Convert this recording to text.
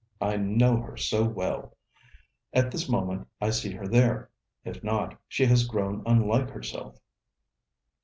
I know her so well. At this moment I see her there. If not, she has grown unlike herself.'